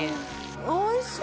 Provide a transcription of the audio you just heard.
おいしい！